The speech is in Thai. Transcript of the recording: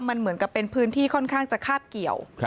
มันเหมือนกับเป็นพื้นที่ค่อนข้างจะคาบเกี่ยว